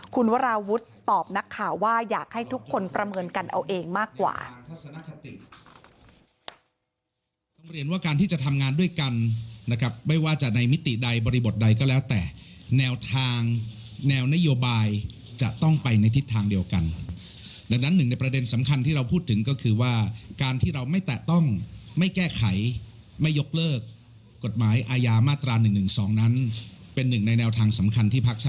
คุณวราวุฒิตอบนักข่าวว่าอยากให้ทุกคนประเมินกันเอาเองมากกว่า